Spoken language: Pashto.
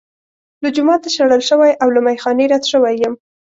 له جوماته شړل شوی او له میخا نه رد شوی یم.